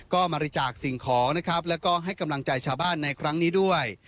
ก็บริจาคสิ่งของนะครับแล้วก็ให้กำลังใจชาวบ้านในครั้งนี้ด้วย